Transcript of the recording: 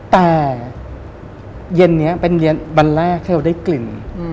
เล่นเย็นวันแรกไม่ได้เกลิ่น